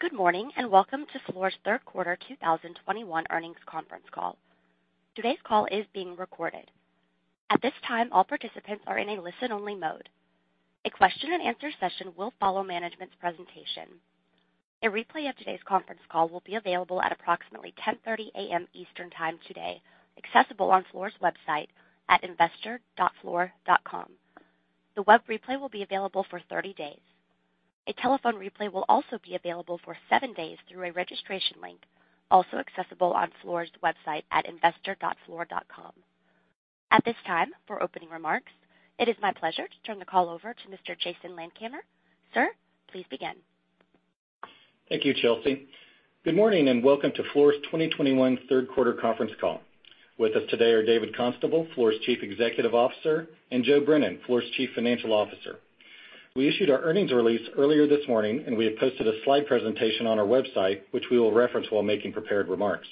Good morning, and welcome to Fluor Third Quarter 2021 Earnings Conference Call. Today's call is being recorded. At this time, all participants are in a listen-only mode. A question and answer session will follow management's presentation. A replay of today's conference call will be available at approximately 10:30 A.M. Eastern time today, accessible on Fluor's website at investor.fluor.com. The web replay will be available for 30 days. A telephone replay will also be available for seven days through a registration link, also accessible on Fluor's website at investor.fluor.com. At this time, for opening remarks, it is my pleasure to turn the call over to Mr. Jason Landkamer. Sir, please begin. Thank you, Chelsea. Good morning, and welcome to Fluor's 2021 third quarter conference call. With us today are David Constable, Fluor's Chief Executive Officer, and Joe Brennan, Fluor's Chief Financial Officer. We issued our earnings release earlier this morning, and we have posted a slide presentation on our website, which we will reference while making prepared remarks.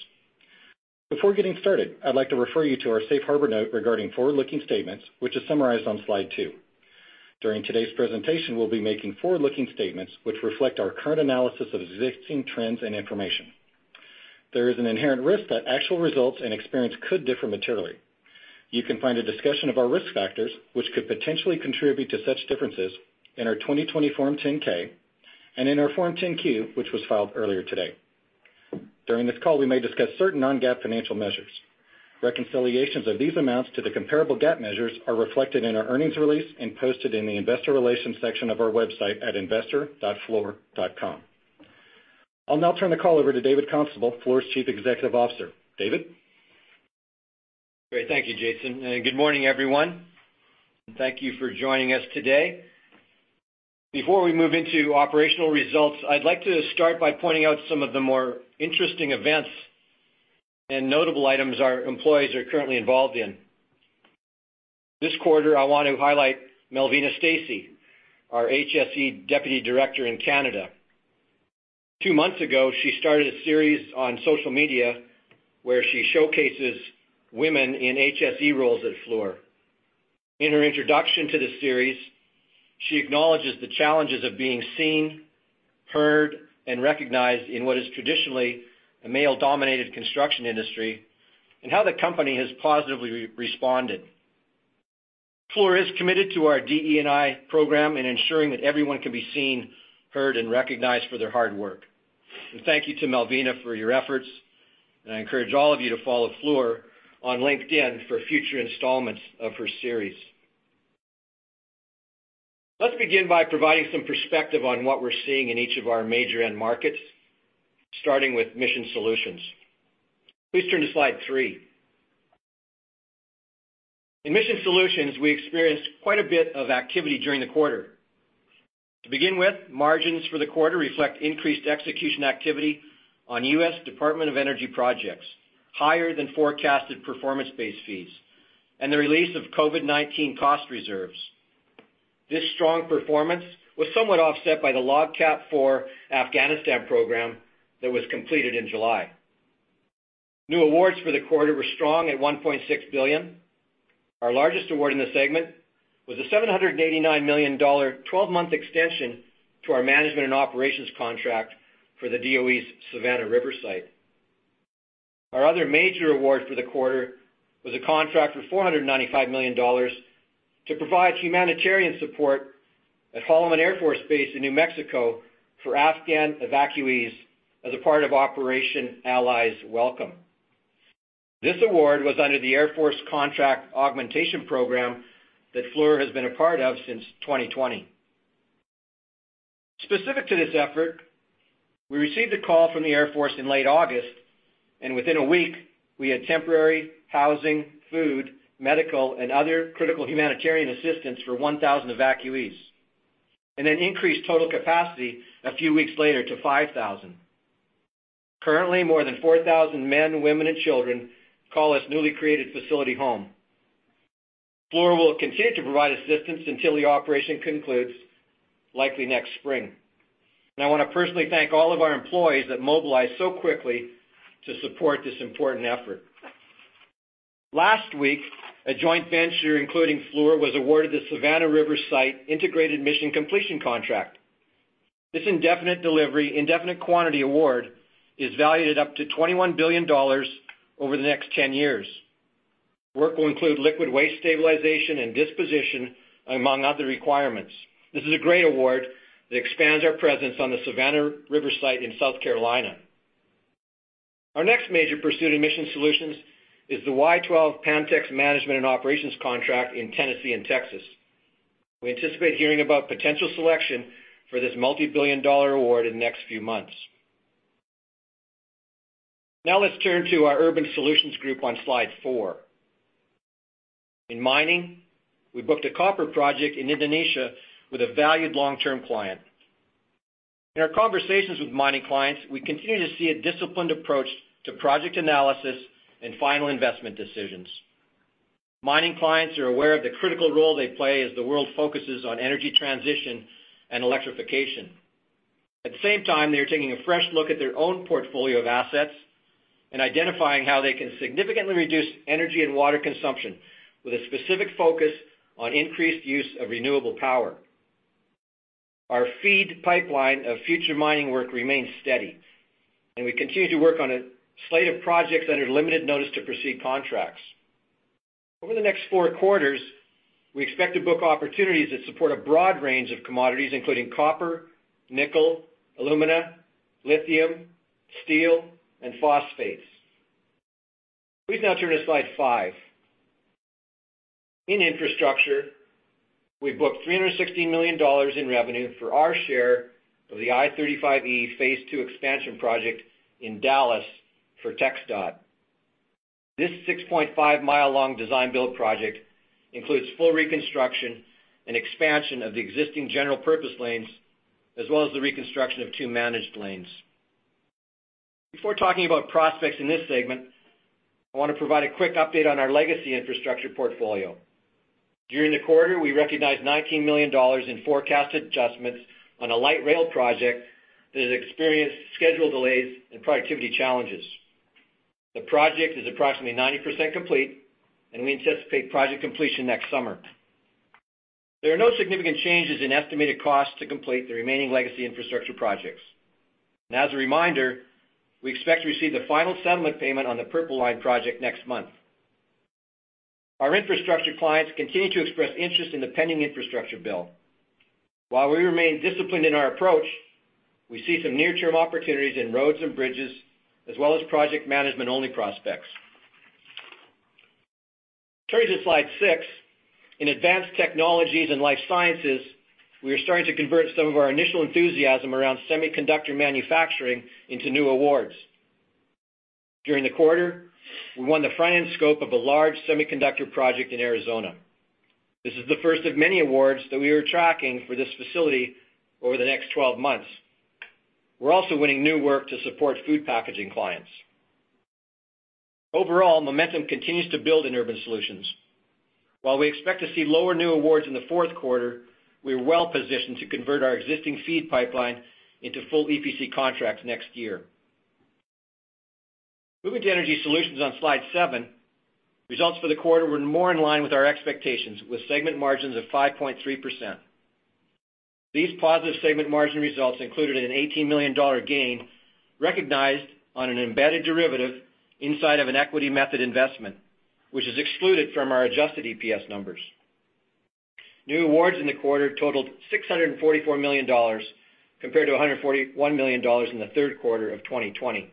Before getting started, I'd like to refer you to our safe harbor note regarding forward-looking statements, which is summarized on slide two. During today's presentation, we'll be making forward-looking statements which reflect our current analysis of existing trends and information. There is an inherent risk that actual results and experience could differ materially. You can find a discussion of our risk factors, which could potentially contribute to such differences, in our 2020 Form 10-K and in our Form 10-Q, which was filed earlier today. During this call, we may discuss certain non-GAAP financial measures. Reconciliations of these amounts to the comparable GAAP measures are reflected in our earnings release and posted in the investor relations section of our website at investor.fluor.com. I'll now turn the call over to David Constable, Fluor's Chief Executive Officer. David? Great. Thank you, Jason. Good morning, everyone. Thank you for joining us today. Before we move into operational results, I'd like to start by pointing out some of the more interesting events and notable items our employees are currently involved in. This quarter, I want to highlight Melvina Stacey, our HSE Deputy Director in Canada. Two months ago, she started a series on social media where she showcases women in HSE roles at Fluor. In her introduction to the series, she acknowledges the challenges of being seen, heard, and recognized in what is traditionally a male-dominated construction industry and how the company has positively responded. Fluor is committed to our DE&I program in ensuring that everyone can be seen, heard, and recognized for their hard work. Thank you to Melvina Stacey for your efforts, and I encourage all of you to follow Fluor on LinkedIn for future installments of her series. Let's begin by providing some perspective on what we're seeing in each of our major end markets, starting with Mission Solutions. Please turn to slide three. In Mission Solutions, we experienced quite a bit of activity during the quarter. To begin with, margins for the quarter reflect increased execution activity on US Department of Energy projects, higher than forecasted performance-based fees, and the release of COVID-19 cost reserves. This strong performance was somewhat offset by the LOGCAP IV Afghanistan program that was completed in July. New awards for the quarter were strong at $1.6 billion. Our largest award in the segment was a $789 million 12-month extension to our management and operations contract for the DOE's Savannah River Site. Our other major award for the quarter was a contract for $495 million to provide humanitarian support at Holloman Air Force Base in New Mexico for Afghan evacuees as a part of Operation Allies Welcome. This award was under the Air Force Contract Augmentation Program that Fluor has been a part of since 2020. Specific to this effort, we received a call from the Air Force in late August, and within a week we had temporary housing, food, medical, and other critical humanitarian assistance for 1,000 evacuees, and then increased total capacity a few weeks later to 5,000. Currently, more than 4,000 men, women, and children call this newly created facility home. Fluor will continue to provide assistance until the operation concludes, likely next spring. I wanna personally thank all of our employees that mobilized so quickly to support this important effort. Last week, a joint venture including Fluor was awarded the Savannah River Site Integrated Mission Completion contract. This indefinite delivery, indefinite quantity award is valued at up to $21 billion over the next 10 years. Work will include liquid waste stabilization and disposition, among other requirements. This is a great award that expands our presence on the Savannah River Site in South Carolina. Our next major pursuit in Mission Solutions is the Y-12/Pantex's management and operations contract in Tennessee and Texas. We anticipate hearing about potential selection for this multi-billion dollar award in the next few months. Now let's turn to our Urban Solutions group on slide four. In mining, we booked a copper project in Indonesia with a valued long-term client. In our conversations with mining clients, we continue to see a disciplined approach to project analysis and final investment decisions. Mining clients are aware of the critical role they play as the world focuses on energy transition and electrification. At the same time, they are taking a fresh look at their own portfolio of assets and identifying how they can significantly reduce energy and water consumption with a specific focus on increased use of renewable power. Our feed pipeline of future mining work remains steady, and we continue to work on a slate of projects under limited notice to proceed contracts. Over the next four quarters, we expect to book opportunities that support a broad range of commodities, including copper, nickel, alumina, lithium, steel, and phosphates. Please now turn to slide five. In infrastructure, we've booked $360 million in revenue for our share of the I-35E Phase 2 expansion project in Dallas for TxDOT. This 6.5-mi-long design-build project includes full reconstruction and expansion of the existing general purpose lanes, as well as the reconstruction of two managed lanes. Before talking about prospects in this segment, I wanna provide a quick update on our legacy infrastructure portfolio. During the quarter, we recognized $19 million in forecast adjustments on a light rail project that has experienced schedule delays and productivity challenges. The project is approximately 90% complete, and we anticipate project completion next summer. There are no significant changes in estimated costs to complete the remaining legacy infrastructure projects. Now as a reminder, we expect to receive the final settlement payment on the Purple Line project next month. Our infrastructure clients continue to express interest in the pending infrastructure bill. While we remain disciplined in our approach, we see some near-term opportunities in roads and bridges, as well as project management-only prospects. Turning to slide six. In Advanced Technologies and Life Sciences, we are starting to convert some of our initial enthusiasm around semiconductor manufacturing into new awards. During the quarter, we won the front-end scope of a large semiconductor project in Arizona. This is the first of many awards that we are tracking for this facility over the next 12 months. We're also winning new work to support food packaging clients. Overall, momentum continues to build in Urban Solutions. While we expect to see lower new awards in the fourth quarter, we're well-positioned to convert our existing feed pipeline into full EPC contracts next year. Moving to Energy Solutions on slide seven. Results for the quarter were more in line with our expectations with segment margins of 5.3%. These positive segment margin results included an $18 million gain recognized on an embedded derivative inside of an equity method investment, which is excluded from our adjusted EPS numbers. New awards in the quarter totaled $644 million compared to $141 million in the third quarter of 2020,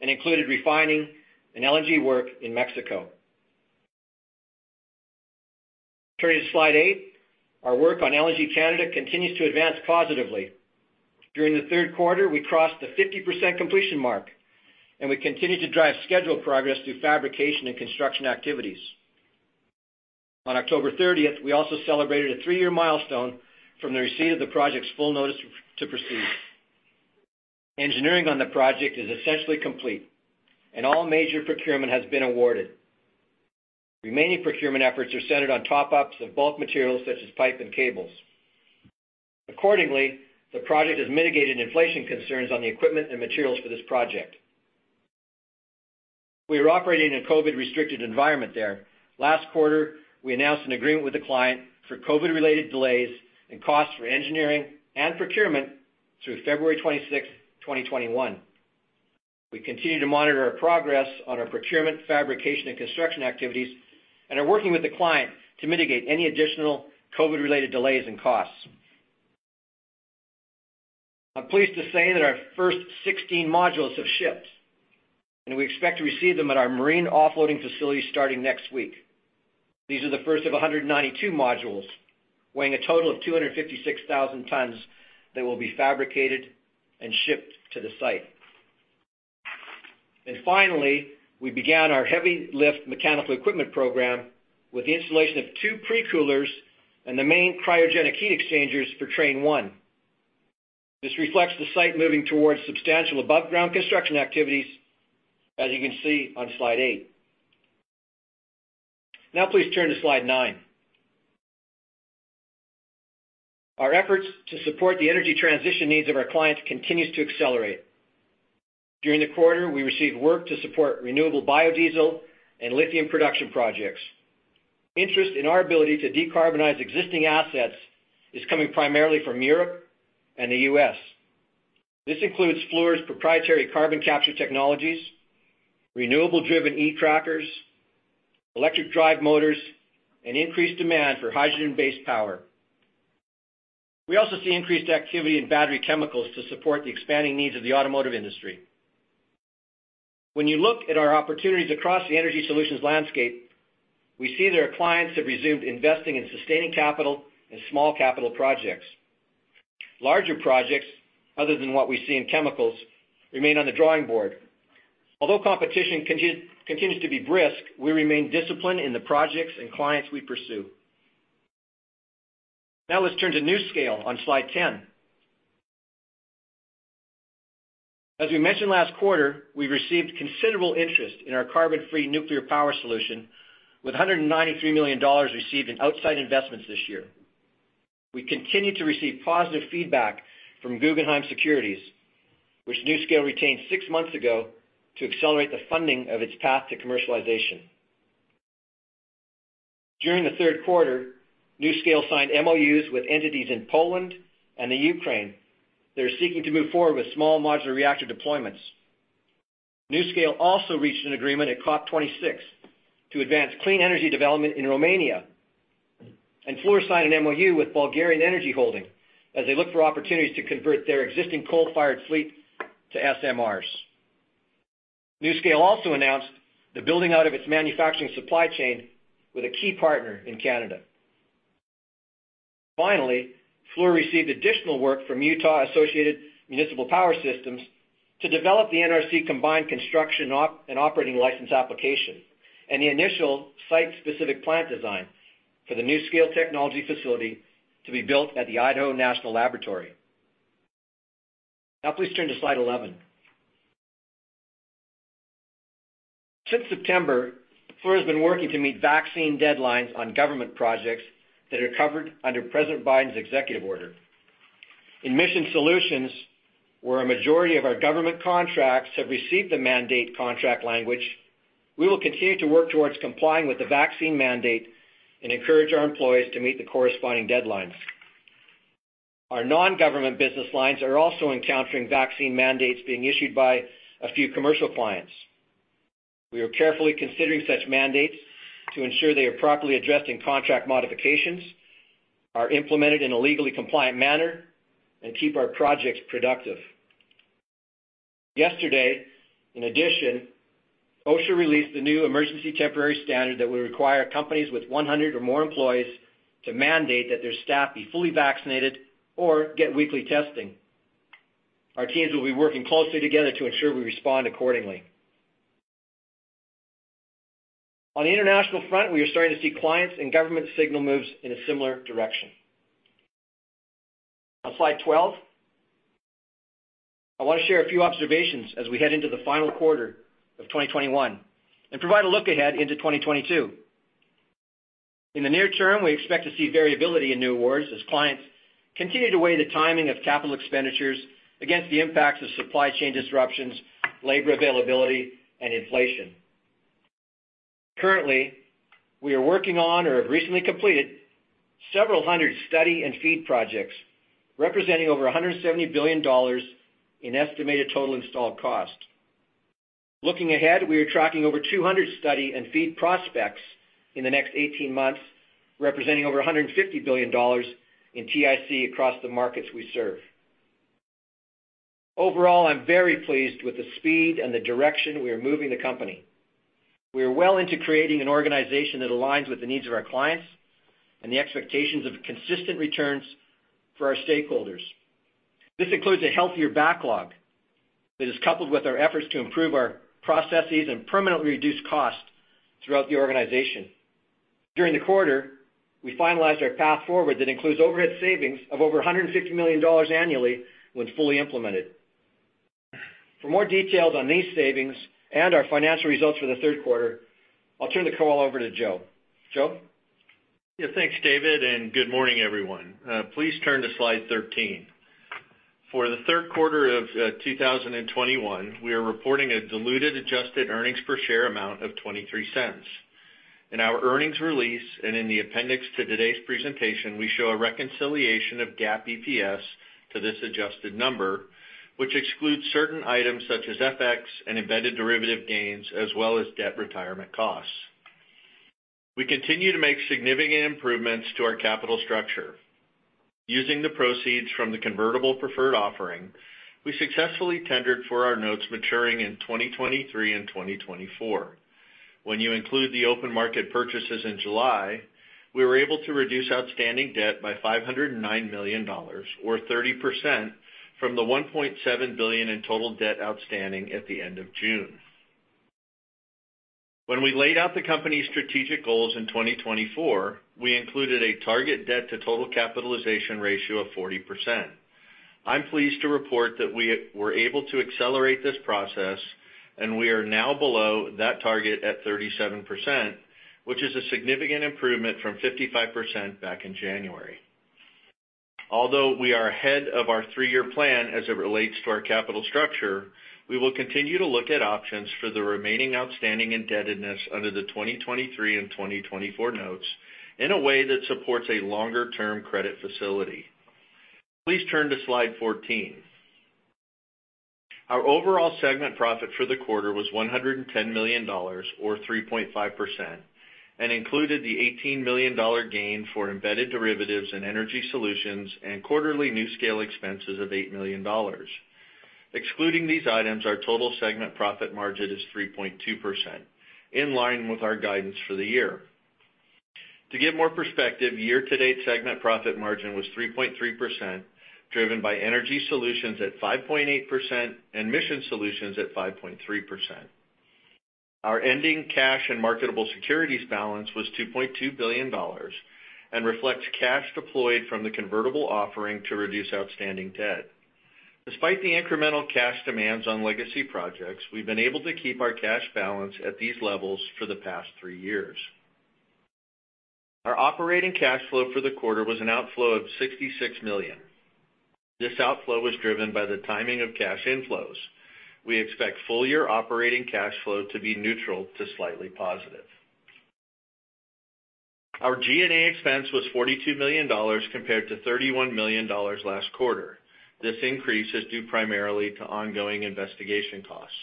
and included refining and LNG work in Mexico. Turning to slide eight. Our work on LNG Canada continues to advance positively. During the third quarter, we crossed the 50% completion mark, and we continue to drive scheduled progress through fabrication and construction activities. On October 30th, we also celebrated a three-year milestone from the receipt of the project's full notice to proceed. Engineering on the project is essentially complete, and all major procurement has been awarded. Remaining procurement efforts are centered on top-ups of bulk materials such as pipe and cables. Accordingly, the project has mitigated inflation concerns on the equipment and materials for this project. We are operating in a COVID-restricted environment there. Last quarter, we announced an agreement with the client for COVID-related delays and costs for engineering and procurement through February 26th, 2021. We continue to monitor our progress on our procurement, fabrication, and construction activities, and are working with the client to mitigate any additional COVID-related delays and costs. I'm pleased to say that our first 16 modules have shipped, and we expect to receive them at our marine offloading facility starting next week. These are the first of 192 modules weighing a total of 256,000 tons that will be fabricated and shipped to the site. Finally, we began our heavy lift mechanical equipment program with the installation of two pre-coolers and the main cryogenic heat exchangers for train one. This reflects the site moving towards substantial above-ground construction activities as you can see on slide eight. Now please turn to slide nine. Our efforts to support the energy transition needs of our clients continues to accelerate. During the quarter, we received work to support renewable biodiesel and lithium production projects. Interest in our ability to decarbonize existing assets is coming primarily from Europe and the U.S. This includes Fluor's proprietary carbon capture technologies, renewable driven e-trackers, electric drive motors, and increased demand for hydrogen-based power. We also see increased activity in battery chemicals to support the expanding needs of the automotive industry. When you look at our opportunities across the Energy Solutions landscape, we see that our clients have resumed investing in sustaining capital and small capital projects. Larger projects, other than what we see in chemicals, remain on the drawing board. Although competition continues to be brisk, we remain disciplined in the projects and clients we pursue. Now let's turn to NuScale on slide 10. As we mentioned last quarter, we received considerable interest in our carbon-free nuclear power solution with $193 million received in outside investments this year. We continue to receive positive feedback from Guggenheim Securities, which NuScale retained six months ago to accelerate the funding of its path to commercialization. During the third quarter, NuScale signed MOUs with entities in Poland and Ukraine that are seeking to move forward with small modular reactor deployments. NuScale also reached an agreement at COP26 to advance clean energy development in Romania, and Fluor signed an MOU with Bulgarian Energy Holding as they look for opportunities to convert their existing coal-fired fleet to SMRs. NuScale also announced the building out of its manufacturing supply chain with a key partner in Canada. Finally, Fluor received additional work from Utah Associated Municipal Power Systems to develop the NRC combined construction and operating license application and the initial site-specific plant design for the NuScale technology facility to be built at the Idaho National Laboratory. Now please turn to slide 11. Since September, Fluor has been working to meet vaccine deadlines on government projects that are covered under President Biden's executive order. In Mission Solutions, where a majority of our government contracts have received the mandate contract language, we will continue to work towards complying with the vaccine mandate and encourage our employees to meet the corresponding deadlines. Our non-government business lines are also encountering vaccine mandates being issued by a few commercial clients. We are carefully considering such mandates to ensure they are properly addressed in contract modifications, are implemented in a legally compliant manner, and keep our projects productive. Yesterday, in addition, OSHA released a new emergency temporary standard that will require companies with 100 or more employees to mandate that their staff be fully vaccinated or get weekly testing. Our teams will be working closely together to ensure we respond accordingly. On the international front, we are starting to see clients and governments signal moves in a similar direction. On slide 12, I wanna share a few observations as we head into the final quarter of 2021 and provide a look ahead into 2022. In the near term, we expect to see variability in new awards as clients continue to weigh the timing of capital expenditures against the impacts of supply chain disruptions, labor availability, and inflation. Currently, we are working on or have recently completed several hundred study and FEED projects representing over $170 billion in estimated total installed cost. Looking ahead, we are tracking over 200 study and FEED prospects in the next 18 months, representing over $150 billion in TIC across the markets we serve. Overall, I'm very pleased with the speed and the direction we are moving the company. We are well into creating an organization that aligns with the needs of our clients and the expectations of consistent returns for our stakeholders. This includes a healthier backlog that is coupled with our efforts to improve our processes and permanently reduce costs throughout the organization. During the quarter, we finalized our path forward that includes overhead savings of over $150 million annually when fully implemented. For more details on these savings and our financial results for the third quarter, I'll turn the call over to Joe. Joe? Yeah, thanks, David, and good morning, everyone. Please turn to slide 13. For the third quarter of 2021, we are reporting a diluted adjusted earnings per share of $0.23. In our earnings release and in the appendix to today's presentation, we show a reconciliation of GAAP EPS to this adjusted number, which excludes certain items such as FX and embedded derivative gains as well as debt retirement costs. We continue to make significant improvements to our capital structure. Using the proceeds from the convertible preferred offering, we successfully tendered for our notes maturing in 2023 and 2024. When you include the open market purchases in July, we were able to reduce outstanding debt by $509 million or 30% from the $1.7 billion in total debt outstanding at the end of June. When we laid out the company's strategic goals in 2024, we included a target debt to total capitalization ratio of 40%. I'm pleased to report that we were able to accelerate this process, and we are now below that target at 37%, which is a significant improvement from 55% back in January. Although we are ahead of our three-year plan as it relates to our capital structure, we will continue to look at options for the remaining outstanding indebtedness under the 2023 and 2024 notes in a way that supports a longer-term credit facility. Please turn to slide 14. Our overall segment profit for the quarter was $110 million or 3.5% and included the $18 million gain for embedded derivatives in Energy Solutions and quarterly NuScale expenses of $8 million. Excluding these items, our total segment profit margin is 3.2%, in line with our guidance for the year. To give more perspective, year-to-date segment profit margin was 3.3%, driven by Energy Solutions at 5.8% and Mission Solutions at 5.3%. Our ending cash and marketable securities balance was $2.2 billion and reflects cash deployed from the convertible offering to reduce outstanding debt. Despite the incremental cash demands on legacy projects, we've been able to keep our cash balance at these levels for the past three years. Our operating cash flow for the quarter was an outflow of $66 million. This outflow was driven by the timing of cash inflows. We expect full-year operating cash flow to be neutral to slightly positive. Our G&A expense was $42 million compared to $31 million last quarter. This increase is due primarily to ongoing investigation costs.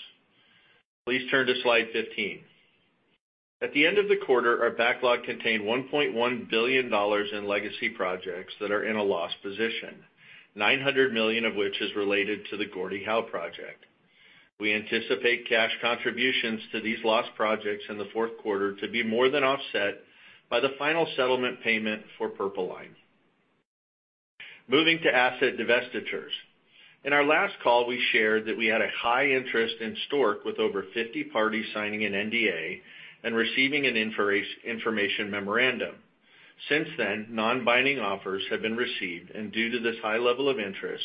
Please turn to slide 15. At the end of the quarter, our backlog contained $1.1 billion in legacy projects that are in a loss position, $900 million of which is related to the Gordie Howe project. We anticipate cash contributions to these loss projects in the fourth quarter to be more than offset by the final settlement payment for Purple Line. Moving to asset divestitures. In our last call, we shared that we had high interest in Stork, with over 50 parties signing an NDA and receiving an information memorandum. Since then, non-binding offers have been received, and due to this high level of interest,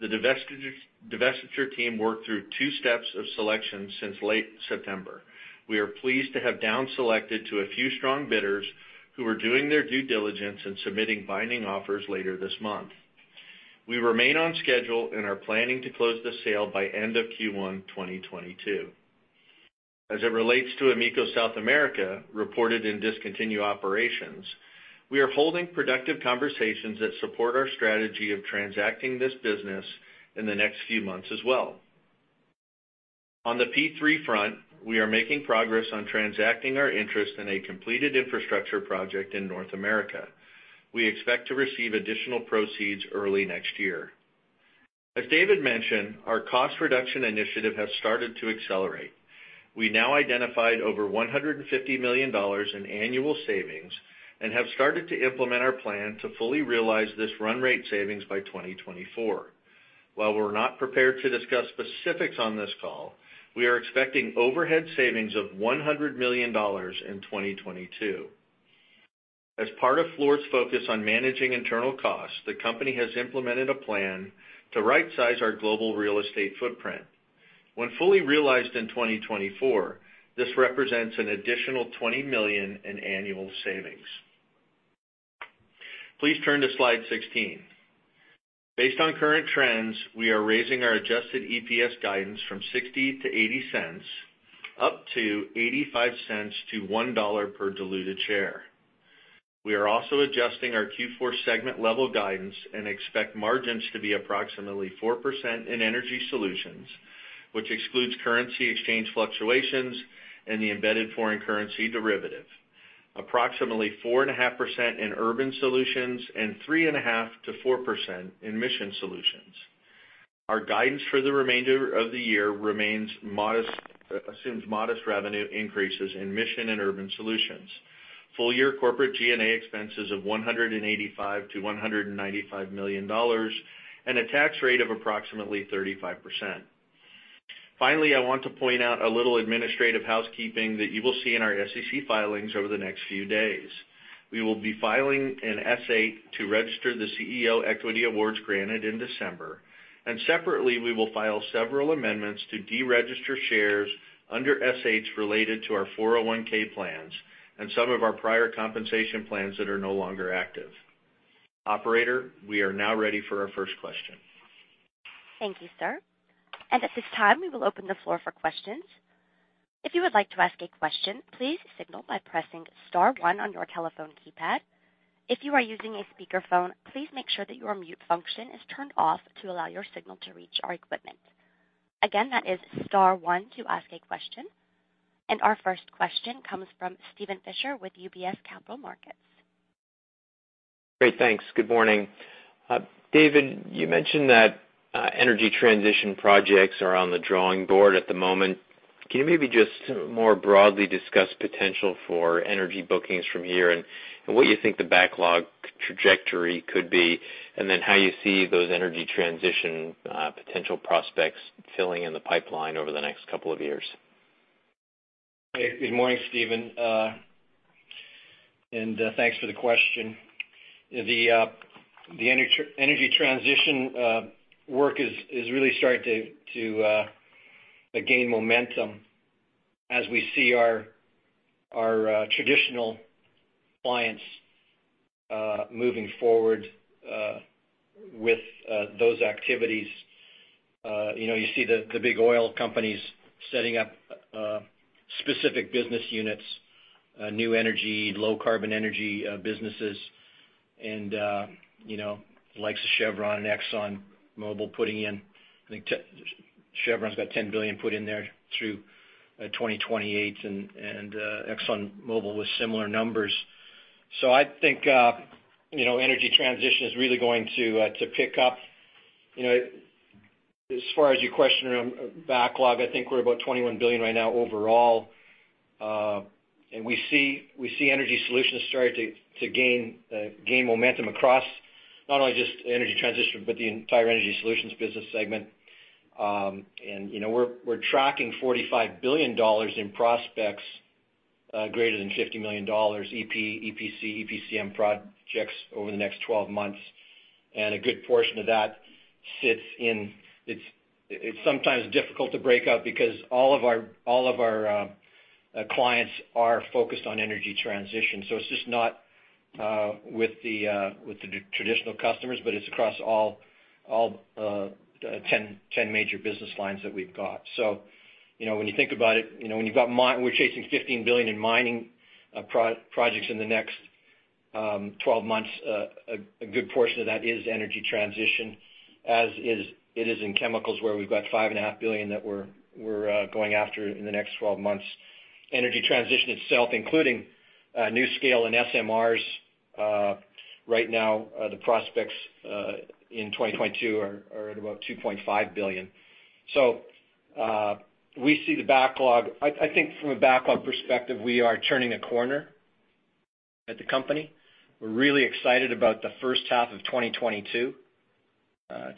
the divestiture team worked through two steps of selection since late September. We are pleased to have down selected to a few strong bidders who are doing their due diligence and submitting binding offers later this month. We remain on schedule and are planning to close the sale by end of Q1 2022. As it relates to AMECO South America, reported in discontinued operations, we are holding productive conversations that support our strategy of transacting this business in the next few months as well. On the P3 front, we are making progress on transacting our interest in a completed infrastructure project in North America. We expect to receive additional proceeds early next year. As David mentioned, our cost reduction initiative has started to accelerate. We now identified over $150 million in annual savings and have started to implement our plan to fully realize this run rate savings by 2024. While we're not prepared to discuss specifics on this call, we are expecting overhead savings of $100 million in 2022. As part of Fluor's focus on managing internal costs, the company has implemented a plan to right-size our global real estate footprint. When fully realized in 2024, this represents an additional $20 million in annual savings. Please turn to slide 16. Based on current trends, we are raising our adjusted EPS guidance from $0.60 to $0.80 up to $0.85-$1 per diluted share. We are also adjusting our Q4 segment level guidance and expect margins to be approximately 4% in Energy Solutions, which excludes currency exchange fluctuations and the embedded foreign currency derivative. Approximately 4.5% in Urban Solutions and 3.5%-4% in Mission Solutions. Our guidance for the remainder of the year remains modest. It assumes modest revenue increases in Mission and Urban Solutions. Full-year corporate G&A expenses of $185 million-$195 million, and a tax rate of approximately 35%. Finally, I want to point out a little administrative housekeeping that you will see in our SEC filings over the next few days. We will be filing an S-8 to register the CEO equity awards granted in December. Separately, we will file several amendments to deregister shares under S-8 related to our 401(k) plans and some of our prior compensation plans that are no longer active. Operator, we are now ready for our first question. Thank you, sir. At this time, we will open the floor for questions. If you would like to ask a question, please signal by pressing star one on your telephone keypad. If you are using a speakerphone, please make sure that your mute function is turned off to allow your signal to reach our equipment. Again, that is star one to ask a question. Our first question comes from Steven Fisher with UBS Capital Markets. Great. Thanks. Good morning, David. You mentioned that energy transition projects are on the drawing board at the moment. Can you maybe just more broadly discuss potential for energy bookings from here and what you think the backlog trajectory could be, and then how you see those energy transition potential prospects filling in the pipeline over the next couple of years? Hey, good morning, Steven. Thanks for the question. The energy transition work is really starting to gain momentum as we see our traditional clients moving forward with those activities. You know, you see the big oil companies setting up specific business units, new energy, low carbon energy businesses. You know, likes of Chevron and ExxonMobil putting in. I think Chevron's got $10 billion put in there through 2028, and ExxonMobil with similar numbers. I think, you know, energy transition is really going to pick up. You know, as far as your question around backlog, I think we're about $21 billion right now overall. We see Energy Solutions starting to gain momentum across not only just energy transition, but the entire Energy Solutions business segment. You know, we're tracking $45 billion in prospects greater than $50 million EPC, EPCM projects over the next 12 months. A good portion of that sits in. It's sometimes difficult to break out because all of our clients are focused on energy transition. It's just not with the traditional customers, but it's across all ten major business lines that we've got. You know, when you think about it, you know, we're chasing $15 billion in mining projects in the next 12 months, a good portion of that is energy transition, it is in chemicals, where we've got $5.5 billion that we're going after in the next 12 months. Energy transition itself, including NuScale and SMRs, right now the prospects in 2022 are at about $2.5 billion. We see the backlog. I think from a backlog perspective, we are turning a corner at the company. We're really excited about the first half of 2022.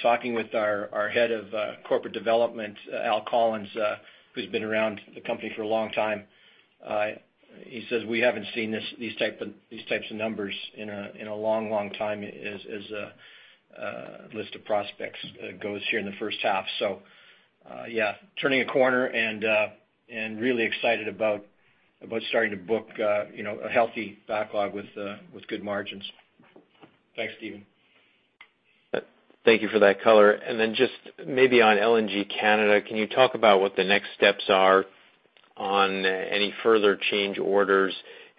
Talking with our head of corporate development, Al Collins, who's been around the company for a long time, he says we haven't seen these types of numbers in a long time as list of prospects goes here in the first half. Yeah, turning a corner and really excited about starting to book, you know, a healthy backlog with good margins. Thanks, Steven. Thank you for that color. Just maybe on LNG Canada, can you talk about what the next steps are on any further change orders?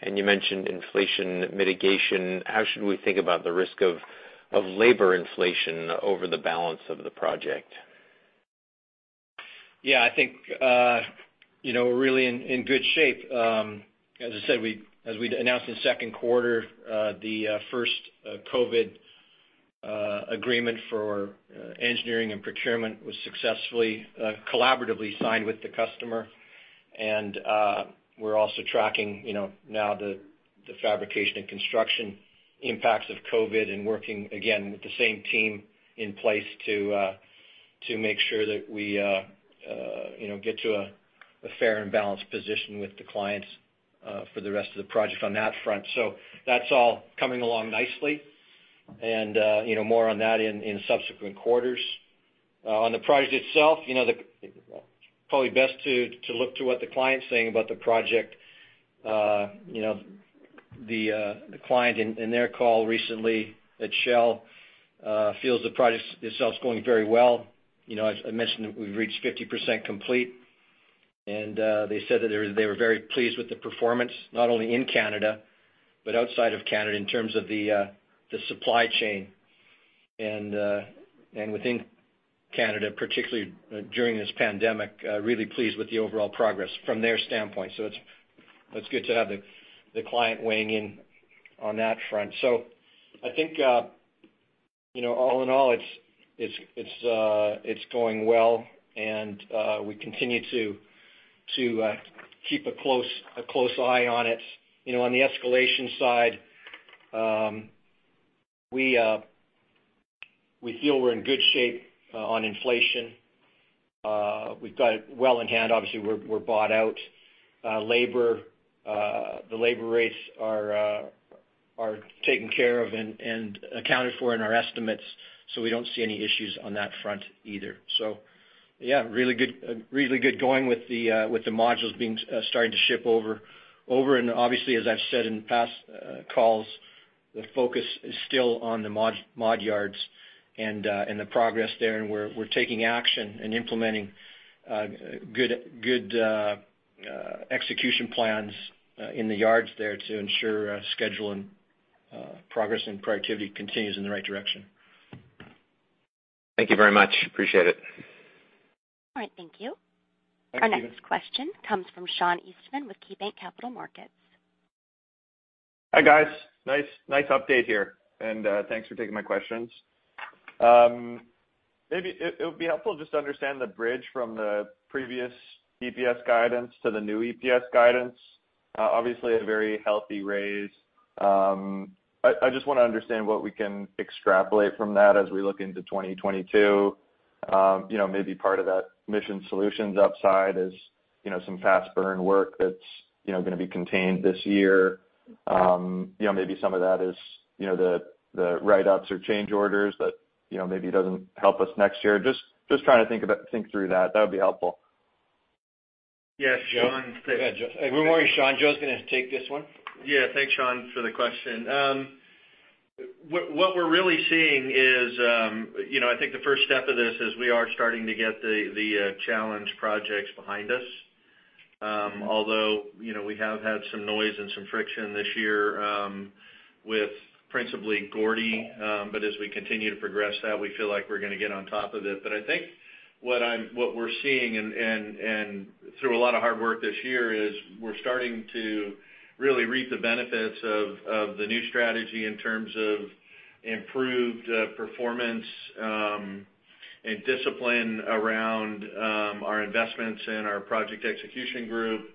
You mentioned inflation mitigation, how should we think about the risk of labor inflation over the balance of the project? Yeah, I think, you know, we're really in good shape. As I said, as we'd announced in the second quarter, the first COVID agreement for engineering and procurement was successfully collaboratively signed with the customer. We're also tracking, you know, now the fabrication and construction impacts of COVID and working again with the same team in place to make sure that we, you know, get to a fair and balanced position with the clients for the rest of the project on that front. That's all coming along nicely. You know, more on that in subsequent quarters. On the project itself, you know, probably best to look to what the client's saying about the project. You know, the client in their call recently at Shell feels the project itself is going very well. You know, as I mentioned, we've reached 50% complete. They said that they were very pleased with the performance, not only in Canada, but outside of Canada in terms of the supply chain, and within Canada, particularly during this pandemic, really pleased with the overall progress from their standpoint. It's good to have the client weighing in on that front. I think, you know, all in all, it's going well, and we continue to keep a close eye on it. You know, on the escalation side, we feel we're in good shape on inflation. We've got it well in hand. Obviously, we're booked out. The labor rates are taken care of and accounted for in our estimates, so we don't see any issues on that front either. Yeah, really good going with the modules starting to ship over. Obviously, as I've said in past calls, the focus is still on the mod yards and the progress there. We're taking action and implementing good execution plans in the yards there to ensure schedule and progress and productivity continues in the right direction. Thank you very much. Appreciate it. All right. Thank you. Thanks, Steven. Our next question comes from Sean Eastman with KeyBanc Capital Markets. Hi, guys. Nice update here, and thanks for taking my questions. Maybe it would be helpful just to understand the bridge from the previous EPS guidance to the new EPS guidance. Obviously a very healthy raise. I just wanna understand what we can extrapolate from that as we look into 2022. You know, maybe part of that Mission Solutions upside is you know, some fast burn work that's you know, gonna be contained this year. You know, maybe some of that is you know, the write-ups or change orders that you know, maybe doesn't help us next year. Just trying to think through that. That would be helpful. Yes, Sean. Go ahead, Joe. We're with you, Sean. Joe's gonna take this one. Yeah. Thanks, Sean, for the question. What we're really seeing is, you know, I think the first step of this is we are starting to get the challenge projects behind us. Although, you know, we have had some noise and some friction this year, with principally Gordie. As we continue to progress that, we feel like we're gonna get on top of it. I think what we're seeing and through a lot of hard work this year is we're starting to really reap the benefits of the new strategy in terms of improved performance and discipline around our investments and our project execution group.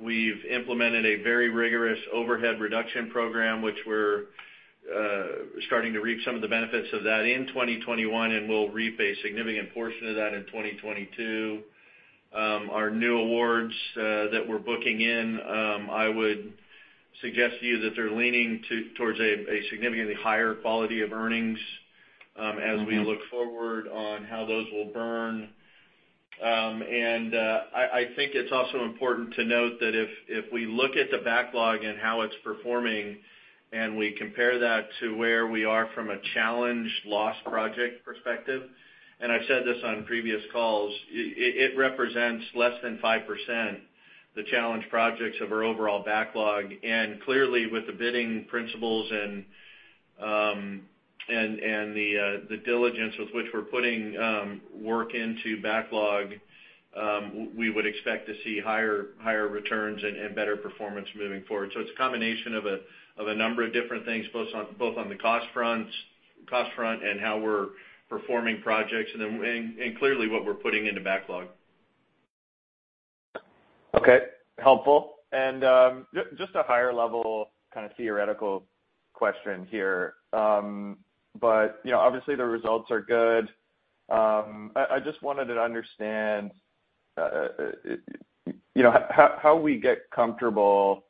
We've implemented a very rigorous overhead reduction program, which we're Starting to reap some of the benefits of that in 2021, and we'll reap a significant portion of that in 2022. Our new awards that we're booking in, I would suggest to you that they're leaning towards a significantly higher quality of earnings. Mm-hmm. As we look forward on how those will burn. I think it's also important to note that if we look at the backlog and how it's performing, and we compare that to where we are from a challenged loss project perspective, and I've said this on previous calls, it represents less than 5% the challenged projects of our overall backlog. Clearly, with the bidding principles and the diligence with which we're putting work into backlog, we would expect to see higher returns and better performance moving forward. It's a combination of a number of different things, both on the cost front and how we're performing projects and then clearly what we're putting into backlog. Okay. Helpful. Just a higher level kind of theoretical question here. You know, obviously the results are good. I just wanted to understand you know, how we get comfortable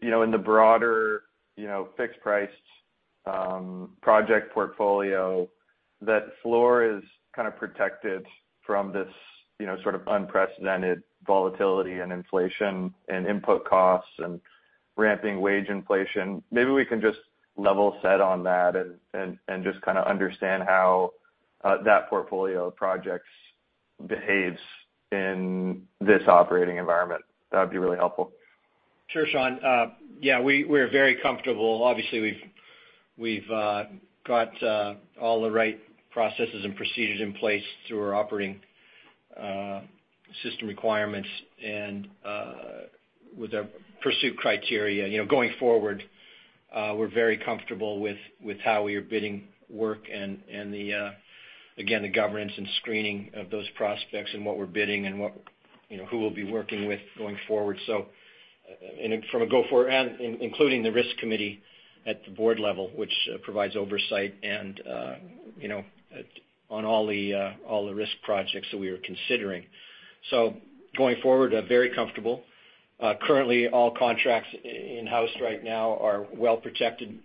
you know, in the broader you know, fixed price project portfolio that Fluor is kind of protected from this you know, sort of unprecedented volatility and inflation and input costs and ramping wage inflation. Maybe we can just level set on that and just kinda understand how that portfolio of projects behaves in this operating environment. That'd be really helpful. Sure, Sean. Yeah, we're very comfortable. Obviously, we've got all the right processes and procedures in place through our operating system requirements and with our pursuit criteria. You know, going forward, we're very comfortable with how we are bidding work and again, the governance and screening of those prospects and what we're bidding and what, you know, who we'll be working with going forward. And from going forward and including the risk committee at the board level, which provides oversight and, you know, on all the risk projects that we are considering. Going forward, very comfortable. Currently all contracts in-house right now are well protected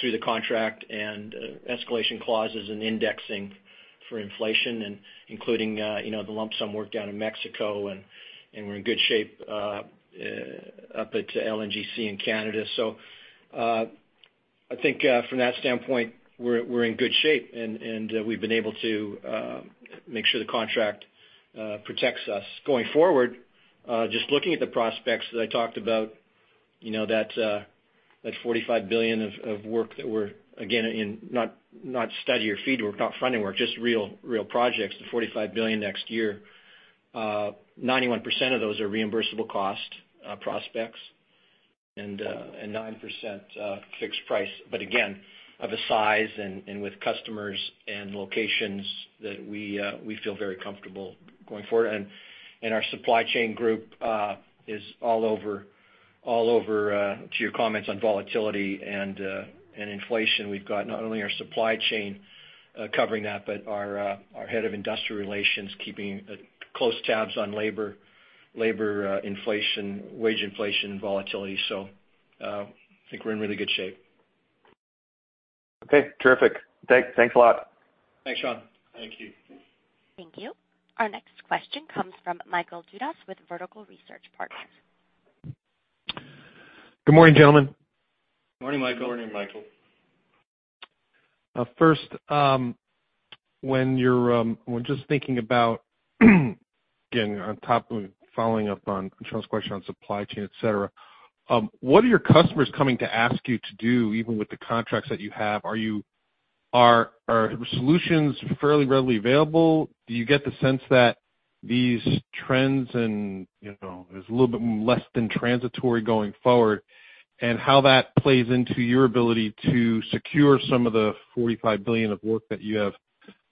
through the contract and escalation clauses and indexing for inflation and including, you know, the lump sum work down in Mexico, and we're in good shape up at LNGC in Canada. I think from that standpoint, we're in good shape, and we've been able to make sure the contract protects us. Going forward, just looking at the prospects that I talked about, you know, that 45 billion of work that we're again in not study or feed work, not funding work, just real projects, the $45 billion next year, 91% of those are reimbursable cost prospects and 9% fixed price, but again, of a size and with customers and locations that we feel very comfortable going forward. Our supply chain group is all over to your comments on volatility and inflation. We've got not only our supply chain covering that, but our head of industrial relations keeping close tabs on labor inflation, wage inflation and volatility. I think we're in really good shape. Okay. Terrific. Thanks a lot. Thanks, Sean. Thank you. Thank you. Our next question comes from Michael Dudas with Vertical Research Partners. Good morning, gentlemen. Morning, Michael. Morning, Michael. We're just thinking about, again, on top of following up on Sean's question on supply chain, et cetera, what are your customers coming to ask you to do even with the contracts that you have? Are solutions fairly readily available? Do you get the sense that these trends and, you know, there's a little bit less than transitory going forward, and how that plays into your ability to secure some of the $45 billion of work that you have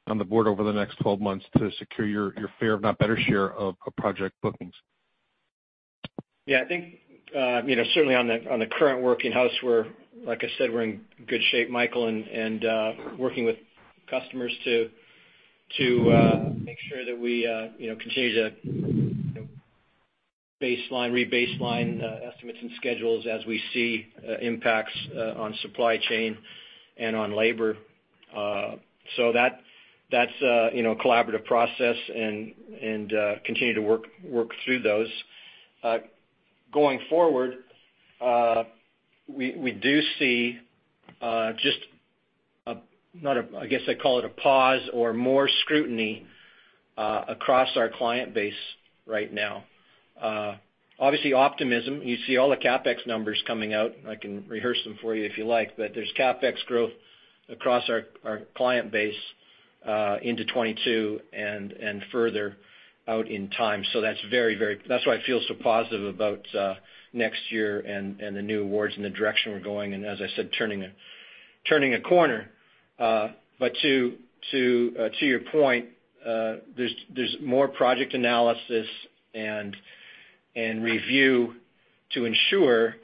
on the board over the next 12 months to secure your fair, if not better share of project bookings? Yeah, I think you know, certainly on the current work in house we're, like I said, we're in good shape, Michael, and working with customers to make sure that we you know continue to baseline, re-baseline estimates and schedules as we see impacts on supply chain and on labor. That's you know a collaborative process and continue to work through those. Going forward, we do see just not a, I guess I'd call it a pause or more scrutiny across our client base right now. Obviously optimism. You see all the CapEx numbers coming out, and I can rehearse them for you if you like, but there's CapEx growth across our client base into 2022 and further out in time. That's very. That's why I feel so positive about next year and the new awards and the direction we're going, and as I said, turning a corner. To your point, there's more project analysis and review to ensure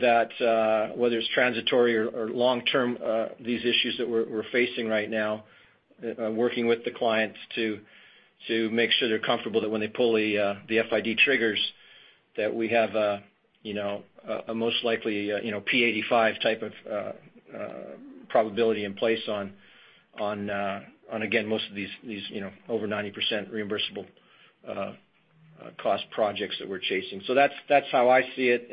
that whether it's transitory or long term these issues that we're facing right now, working with the clients to make sure they're comfortable that when they pull the FID triggers, that we have you know a most likely you know P85 type of probability in place on again most of these you know over 90% reimbursable cost projects that we're chasing. That's how I see it.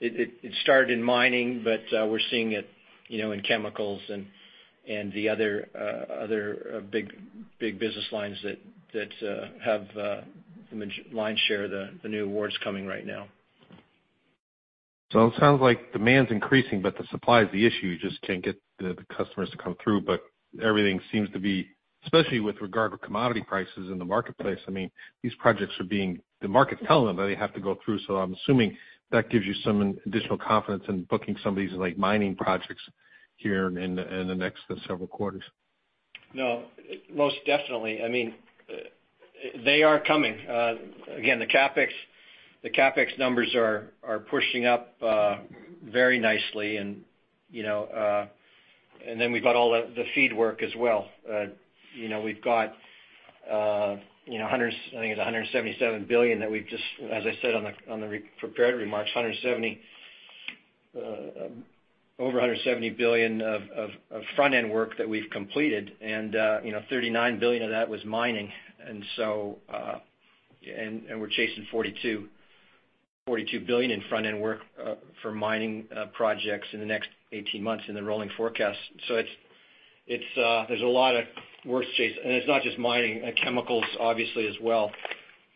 It started in mining, but we're seeing it, you know, in chemicals and the other big business lines that have increasing share of the new awards coming right now. It sounds like demand's increasing, but the supply is the issue. You just can't get the customers to come through. Everything seems to be, especially with regard to commodity prices in the marketplace, I mean, these projects are being, the market's telling them that they have to go through. I'm assuming that gives you some additional confidence in booking some of these like mining projects here in the next several quarters. No, most definitely. I mean, they are coming. Again, the CapEx numbers are pushing up very nicely and then we've got all the FEED work as well. You know, we've got, I think it's $177 billion that we've just, as I said on the prepared remarks, over $177 billion of front-end work that we've completed. You know, $39 billion of that was mining. We're chasing $42 billion in front-end work for mining projects in the next 18 months in the rolling forecast. There's a lot of work to chase, and it's not just mining, chemicals obviously as well,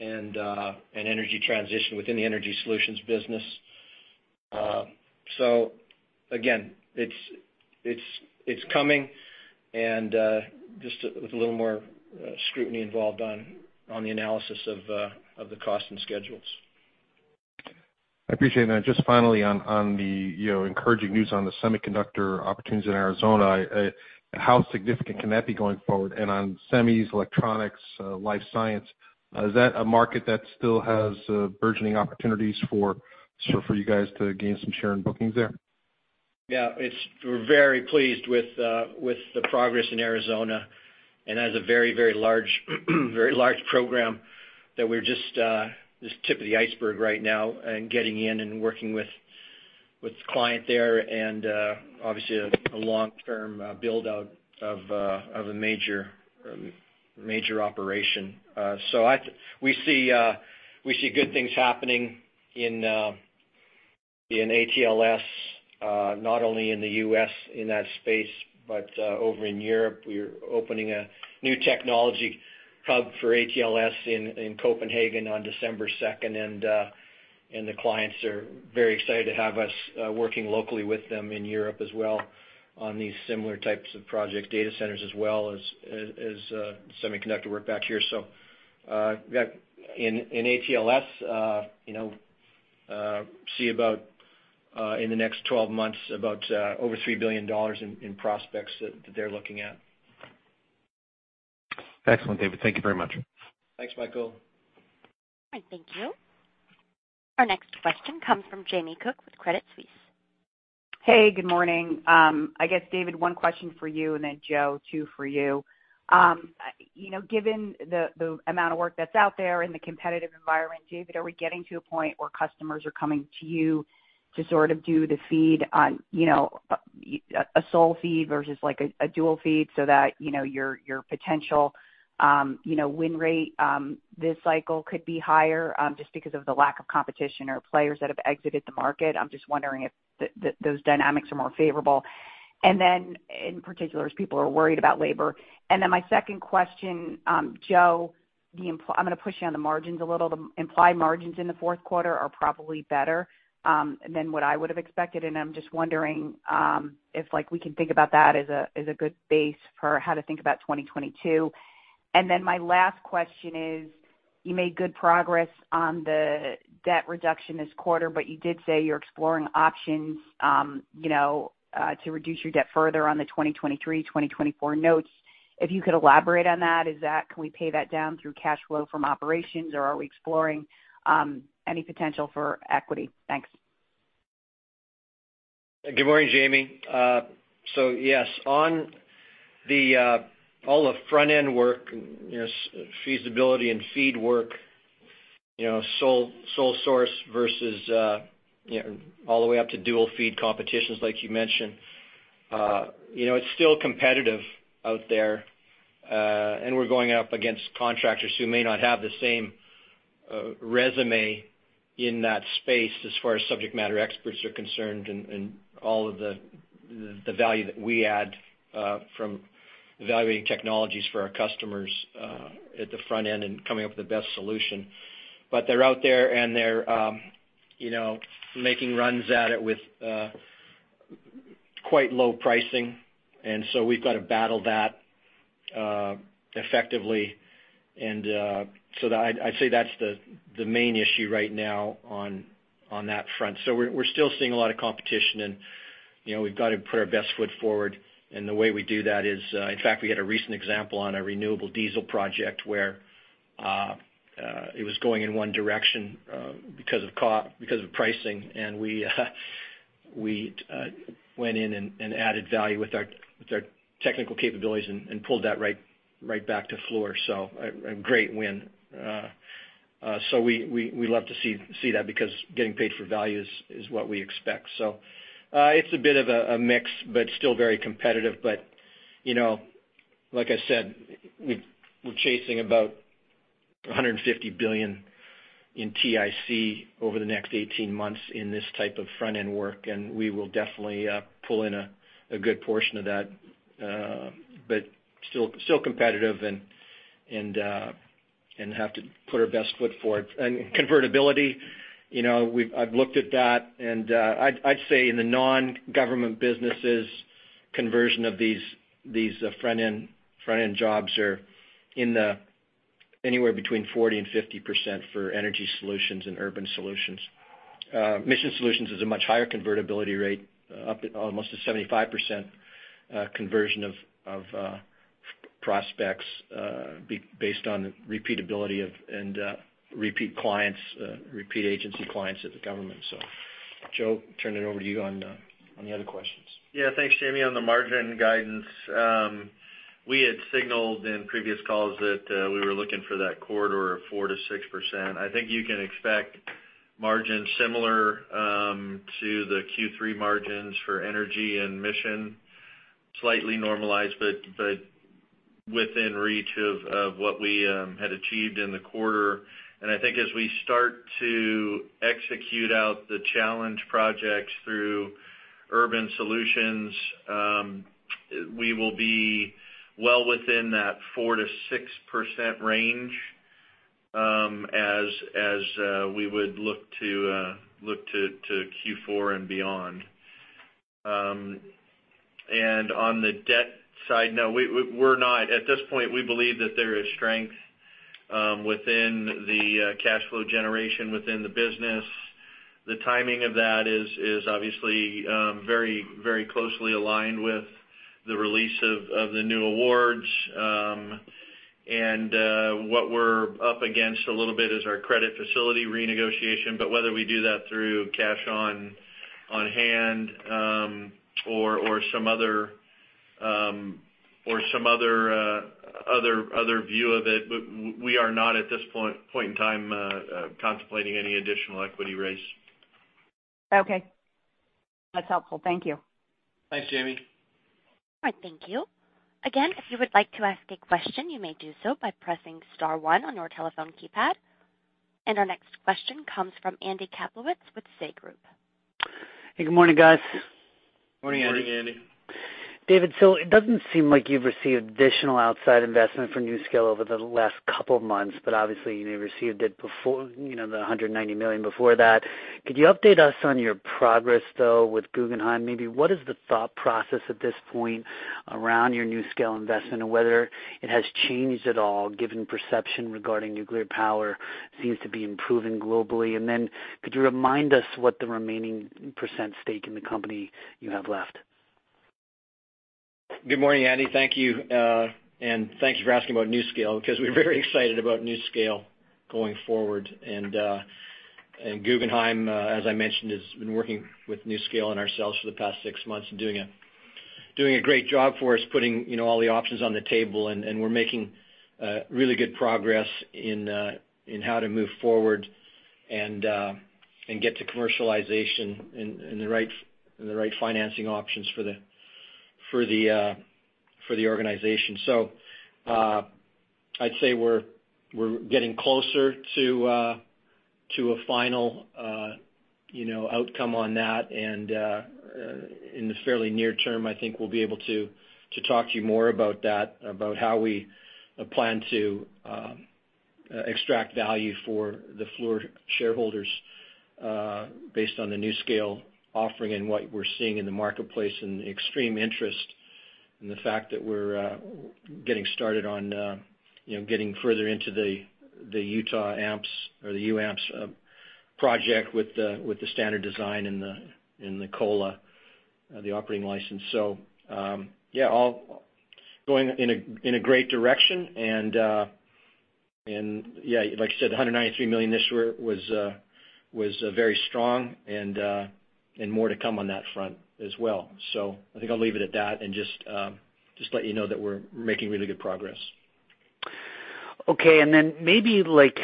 and energy transition within the Energy Solutions business. It's coming and just with a little more scrutiny involved on the analysis of the cost and schedules. I appreciate that. Just finally on the, you know, encouraging news on the semiconductor opportunities in Arizona, how significant can that be going forward? On semis, electronics, life science, is that a market that still has burgeoning opportunities for, sort of, for you guys to gain some share and bookings there? Yeah. We're very pleased with the progress in Arizona, and it has a very large program that we're just the tip of the iceberg right now and getting in and working with the client there and obviously a long-term build-out of a major operation. We see good things happening in ATLS, not only in the U.S. in that space, but over in Europe. We're opening a new technology hub for ATLS in Copenhagen on December second. The clients are very excited to have us working locally with them in Europe as well on these similar types of project data centers, as well as semiconductor work back here. That in ATLS, you know, see about in the next twelve months about over $3 billion in prospects that they're looking at. Excellent, David. Thank you very much. Thanks, Michael. All right. Thank you. Our next question comes from Jamie Cook with Credit Suisse. Hey, good morning. I guess, David, one question for you, and then Joe, two for you. You know, given the amount of work that's out there in the competitive environment, David, are we getting to a point where customers are coming to you to sort of do the FEED on, you know, a sole FEED versus like a dual FEED so that, you know, your potential win rate this cycle could be higher, just because of the lack of competition or players that have exited the market? I'm just wondering if those dynamics are more favorable, in particular as people are worried about labor. My second question, Joe, I'm gonna push you on the margins a little. The implied margins in the fourth quarter are probably better than what I would've expected, and I'm just wondering if like we can think about that as a good base for how to think about 2022. My last question is, you made good progress on the debt reduction this quarter, but you did say you're exploring options, you know, to reduce your debt further on the 2023, 2024 notes. If you could elaborate on that, is that, can we pay that down through cash flow from operations, or are we exploring any potential for equity? Thanks. Good morning, Jamie. Yes, on all the front-end work, you know, feasibility and FEED work, you know, sole source versus, you know, all the way up to dual FEED competitions like you mentioned, you know, it's still competitive out there. We're going up against contractors who may not have the same resume in that space as far as subject matter experts are concerned and all of the value that we add from evaluating technologies for our customers at the front end and coming up with the best solution. They're out there and they're, you know, making runs at it with quite low pricing. We've got to battle that effectively. I'd say that's the main issue right now on that front. We're still seeing a lot of competition and you know, we've got to put our best foot forward, and the way we do that is, in fact, we had a recent example on a renewable diesel project where it was going in one direction because of pricing, and we went in and added value with our technical capabilities and pulled that right back to Fluor. A great win. We love to see that because getting paid for value is what we expect. It's a bit of a mix, but still very competitive. You know, like I said, we're chasing about $150 billion in TIC over the next 18 months in this type of front-end work, and we will definitely pull in a good portion of that. Still competitive and have to put our best foot forward. Convertibility, you know, I've looked at that, and I'd say in the nongovernment businesses, conversion of these front-end jobs are anywhere between 40%-50% for Energy Solutions and Urban Solutions. Mission Solutions is a much higher convertibility rate, up at almost 75%, conversion of prospects based on the repeatability of repeat clients, repeat agency clients at the government. Joe, turn it over to you on the other questions. Yeah. Thanks, Jamie. On the margin guidance, we had signaled in previous calls that we were looking for that corridor of 4%-6%. I think you can expect margins similar to the Q3 margins for Energy and Mission, slightly normalized, but within reach of what we had achieved in the quarter. I think as we start to execute out the challenge projects through Urban Solutions, we will be well within that 4%-6% range, as we would look to Q4 and beyond. On the debt side, no, we're not. At this point, we believe that there is strength within the cash flow generation within the business. The timing of that is obviously very closely aligned with the release of the new awards. What we're up against a little bit is our credit facility renegotiation, but whether we do that through cash on hand, or some other view of it, we are not, at this point in time, contemplating any additional equity raise. Okay. That's helpful. Thank you. Thanks, Jamie. All right. Thank you. Again, if you would like to ask a question, you may do so by pressing star one on your telephone keypad. Our next question comes from Andy Kaplowitz with Citigroup. Hey, good morning, guys. Morning, Andy. Morning, Andy. David, it doesn't seem like you've received additional outside investment for NuScale over the last couple of months, but obviously, you received it before, you know, the $190 million before that. Could you update us on your progress, though, with Guggenheim? Maybe what is the thought process at this point around your NuScale investment and whether it has changed at all given perception regarding nuclear power seems to be improving globally? Then could you remind us what the remaining % stake in the company you have left? Good morning, Andy. Thank you, and thank you for asking about NuScale because we're very excited about NuScale going forward. Guggenheim, as I mentioned, has been working with NuScale and ourselves for the past six months and doing a great job for us, putting, you know, all the options on the table. We're making really good progress in how to move forward and get to commercialization in the right financing options for the organization. I'd say we're getting closer to a final, you know, outcome on that. In the fairly near term, I think we'll be able to talk to you more about that, about how we plan to extract value for the Fluor shareholders, based on the NuScale offering and what we're seeing in the marketplace and the extreme interest, and the fact that we're getting started on, you know, getting further into the UAMPS project with the standard design and the COLA, the operating license. Yeah, all going in a great direction. Yeah, like I said, the $193 million this year was very strong and more to come on that front as well. I think I'll leave it at that and just let you know that we're making really good progress. Okay. Maybe like,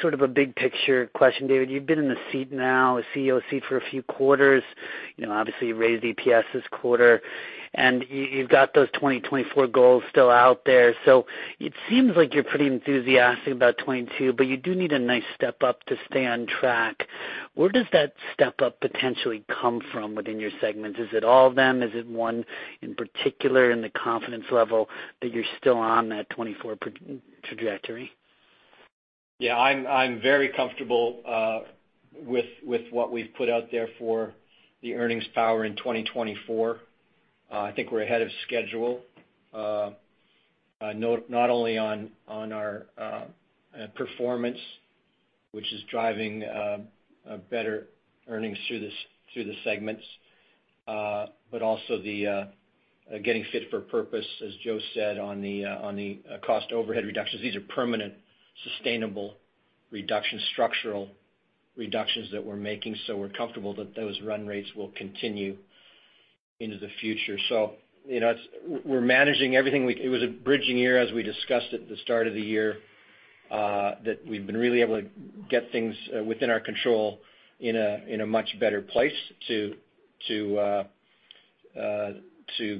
sort of a big picture question, David. You've been in the seat now, a CEO seat for a few quarters. You know, obviously, you raised EPS this quarter, and you've got those 2024 goals still out there. It seems like you're pretty enthusiastic about 2022, but you do need a nice step-up to stay on track. Where does that step-up potentially come from within your segments? Is it all of them? Is it one in particular in the confidence level that you're still on that 2024 trajectory? Yeah. I'm very comfortable with what we've put out there for the earnings power in 2024. I think we're ahead of schedule, not only on our performance, which is driving better earnings through the segments, but also on the cost overhead reductions. These are permanent, sustainable reduction, structural reductions that we're making, so we're comfortable that those run rates will continue into the future. You know, we're managing everything we... It was a bridging year as we discussed at the start of the year, that we've been really able to get things within our control in a much better place to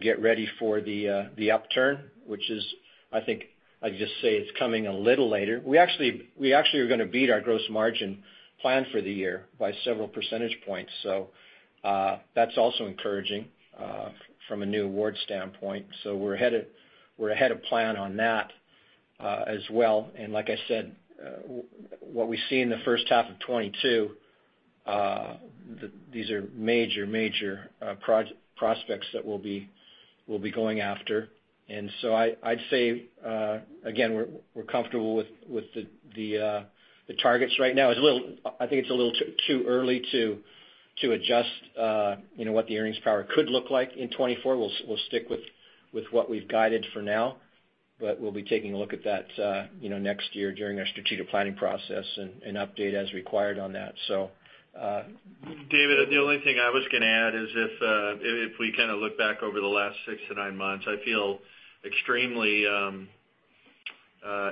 get ready for the upturn, which is, I think I'd just say it's coming a little later. We actually are gonna beat our gross margin plan for the year by several percentage points. That's also encouraging from a new award standpoint. We're ahead of plan on that as well. Like I said, what we see in the first half of 2022, these are major prospects that we'll be going after. I'd say again, we're comfortable with the targets right now. It's a little early to adjust, you know, what the earnings power could look like in 2024. We'll stick with what we've guided for now, but we'll be taking a look at that, you know, next year during our strategic planning process and update as required on that. David, the only thing I was gonna add is if we kinda look back over the last six to nine months, I feel extremely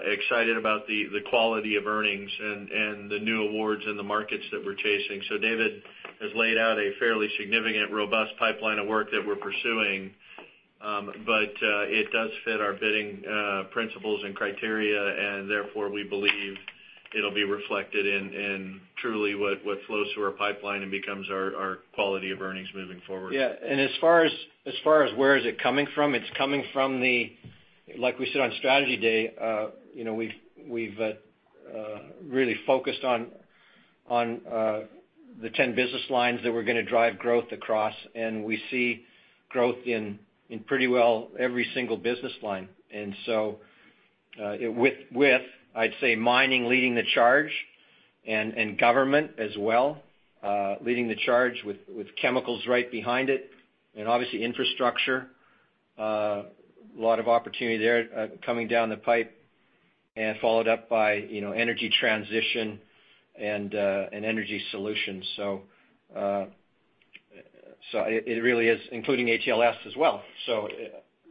excited about the quality of earnings and the new awards and the markets that we're chasing. David has laid out a fairly significant, robust pipeline of work that we're pursuing, but it does fit our bidding principles and criteria, and therefore, we believe it'll be reflected in truly what flows through our pipeline and becomes our quality of earnings moving forward. Yeah. As far as where it is coming from, it's coming from. Like we said on Strategy Day, you know, we've really focused on the 10 business lines that we're gonna drive growth across, and we see growth in pretty well every single business line. It really is including ATLS as well.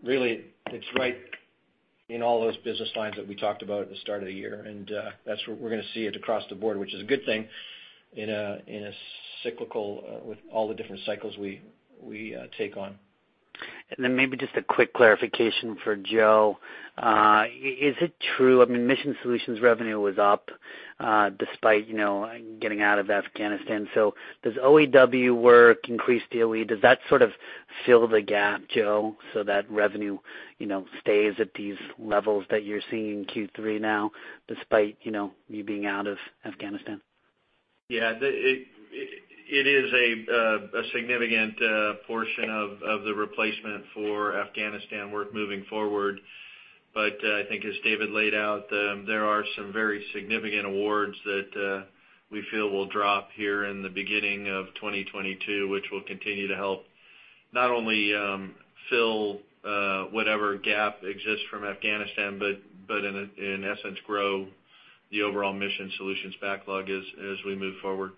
Really, it's right in all those business lines that we talked about at the start of the year, and that's where we're gonna see it across the board, which is a good thing in a cyclical with all the different cycles we take on. Then maybe just a quick clarification for Joe. Is it true, I mean, Mission Solutions revenue was up, despite, you know, getting out of Afghanistan. Does OAW work increase DOE? Does that sort of fill the gap, Joe, so that revenue, you know, stays at these levels that you're seeing in Q3 now, despite, you know, you being out of Afghanistan? Yeah. The, it is a significant portion of the replacement for Afghanistan work moving forward. I think as David laid out, there are some very significant awards that we feel will drop here in the beginning of 2022, which will continue to help not only fill whatever gap exists from Afghanistan, but in essence, grow the overall Mission Solutions backlog as we move forward.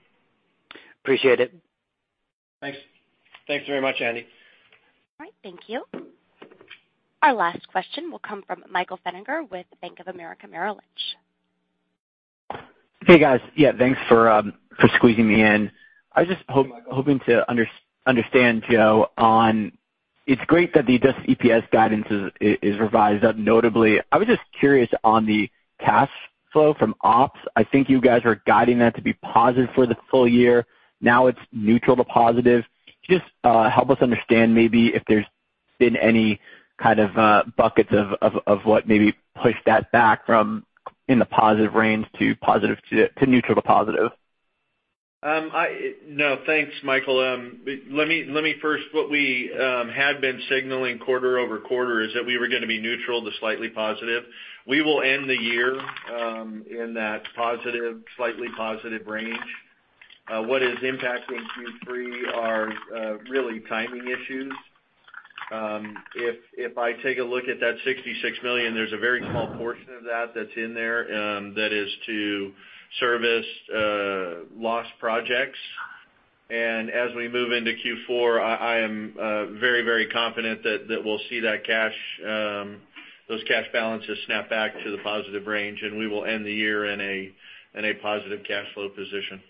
Appreciate it. Thanks. Thanks very much, Andy. All right. Thank you. Our last question will come from Michael Feniger with Bank of America Merrill Lynch. Hey, guys. Yeah, thanks for squeezing me in. I was just hoping to understand, Joe, on, it's great that the adjusted EPS guidance is revised up notably. I was just curious on the cash flow from ops. I think you guys are guiding that to be positive for the full year. Now it's neutral to positive. Can you just help us understand maybe if there's been any kind of buckets of what maybe pushed that back from in the positive range to positive to neutral to positive? No, thanks, Michael. Let me first what we had been signaling quarter-over-quarter is that we were gonna be neutral to slightly positive. We will end the year in that positive, slightly positive range. What is impacting Q3 are really timing issues. If I take a look at that $66 million, there's a very small portion of that that's in there that is to severance lost projects. As we move into Q4, I am very, very confident that we'll see that cash, those cash balances snap back to the positive range, and we will end the year in a positive cash flow position.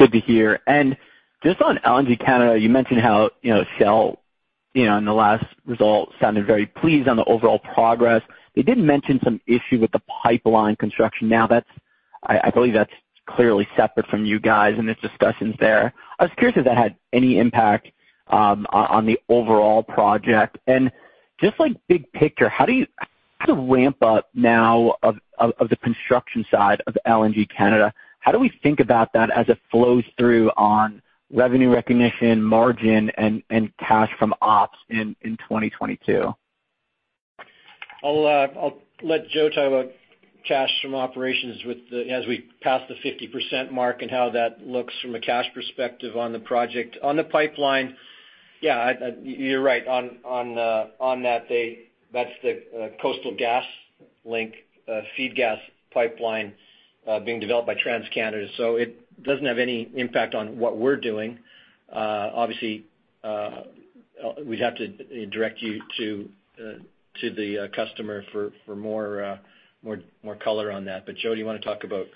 Good to hear. Just on LNG Canada, you mentioned how, you know, Shell, you know, in the last result sounded very pleased on the overall progress. They did mention some issue with the pipeline construction. Now that's, I believe that's clearly separate from you guys in the discussions there. I was curious if that had any impact on the overall project. Just like big picture, the ramp up now of the construction side of LNG Canada, how do we think about that as it flows through on revenue recognition, margin, and cash from ops in 2022? I'll let Joe talk about cash from operations as we pass the 50% mark and how that looks from a cash perspective on the project. On the pipeline, yeah, you're right on that date. That's the Coastal GasLink feed gas pipeline being developed by TransCanada. It doesn't have any impact on what we're doing. Obviously, we'd have to direct you to the customer for more color on that. But Joe, do you wanna talk about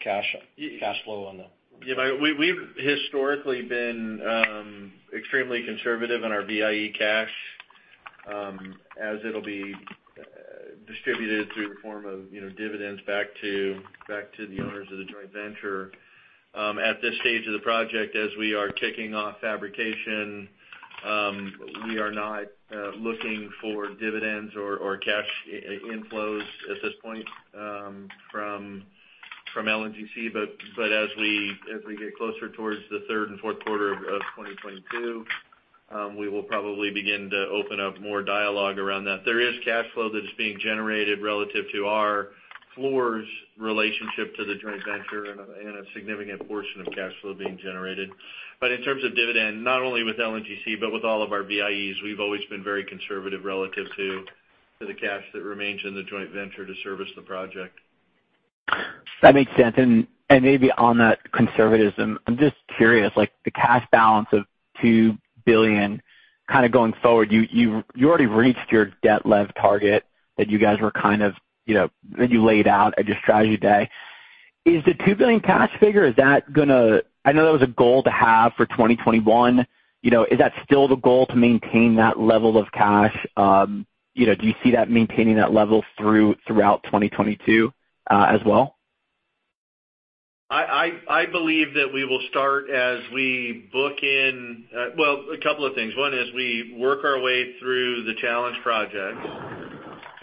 cash- Yeah. Cash flow on the. Yeah. We've historically been extremely conservative in our VIE cash, as it'll be distributed through the form of, you know, dividends back to the owners of the joint venture. At this stage of the project, as we are kicking off fabrication, we are not looking for dividends or cash inflows at this point from LNGC. As we get closer towards the third and fourth quarter of 2022, we will probably begin to open up more dialogue around that. There is cash flow that is being generated relative to our Fluor's relationship to the joint venture and a significant portion of cash flow being generated. In terms of dividend, not only with LNGC but with all of our VIEs, we've always been very conservative relative to the cash that remains in the joint venture to service the project. That makes sense. Maybe on that conservatism, I'm just curious, like the cash balance of $2 billion kind of going forward, you already reached your debt level target that you guys were kind of, you know, that you laid out at your strategy day. Is the $2 billion cash figure, is that gonna? I know that was a goal to have for 2021. You know, is that still the goal to maintain that level of cash? You know, do you see that maintaining that level throughout 2022, as well? I believe that we will start as we book in. Well, a couple of things. One is we work our way through the challenge projects,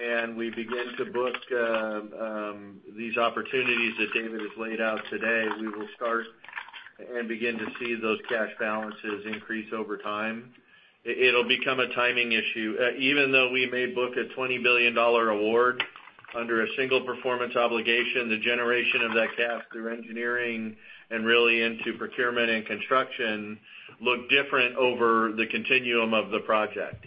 and we begin to book these opportunities that David has laid out today. We will start and begin to see those cash balances increase over time. It'll become a timing issue. Even though we may book a $20 billion dollar award under a single performance obligation, the generation of that cash through engineering and really into procurement and construction look different over the continuum of the project.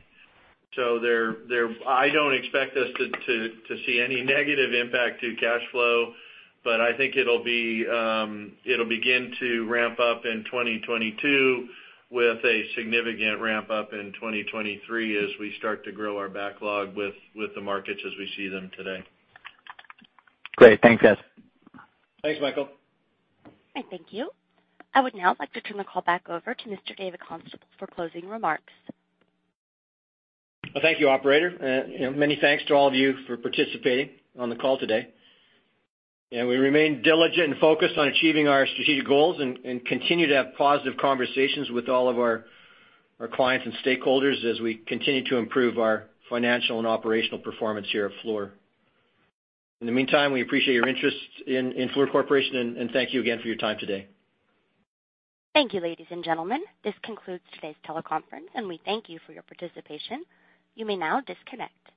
I don't expect us to see any negative impact to cash flow, but I think it'll begin to ramp up in 2022 with a significant ramp up in 2023 as we start to grow our backlog with the markets as we see them today. Great. Thanks, guys. Thanks, Michael. Thank you. I would now like to turn the call back over to Mr. David Constable for closing remarks. Well, thank you, operator, and, you know, many thanks to all of you for participating on the call today. We remain diligent and focused on achieving our strategic goals and continue to have positive conversations with all of our clients and stakeholders as we continue to improve our financial and operational performance here at Fluor. In the meantime, we appreciate your interest in Fluor Corporation and thank you again for your time today. Thank you, ladies and gentlemen. This concludes today's teleconference, and we thank you for your participation. You may now disconnect.